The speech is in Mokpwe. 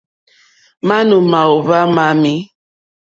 Manù màòhva mamì.